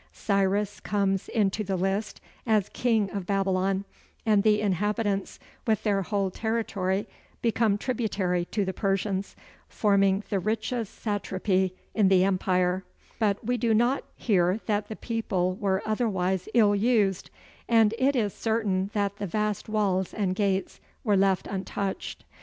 Cyrus comes into the list as king of Babylon, and the inhabitants with their whole territory become tributary to the Persians, forming the richest satrapy in the empire; but we do not hear that the people were otherwise ill used, and it is certain that the vast walls and gates were left untouched.